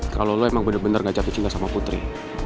kalau lo emang bener bener gak jatuh cinta sama putri